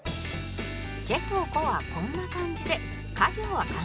「け」と「こ」はこんな感じでか行は完成